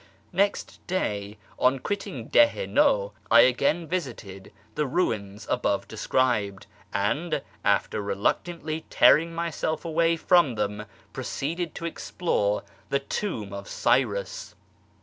Next day on quitting Dih i ISTaw I again visited the ruins above described, and, after reluctantly tearing myself away from them, proceeded to explore the tomb of Cyrus.